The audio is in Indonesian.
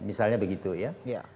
misalnya begitu ya